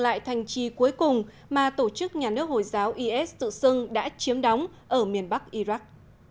lại thành trì cuối cùng mà tổ chức nhà nước hồi giáo is tự xưng đã chiếm đóng ở miền bắc iraq